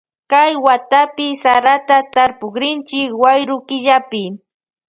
Kay watapi sarata tarpukrinchi wayru killapi.